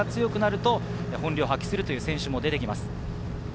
風が強くなると本領を発揮する選手も出てきます。